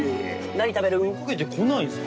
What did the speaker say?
何食べる？